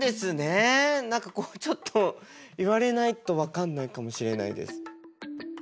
何かこうちょっと言われないと分かんないかもしれないです。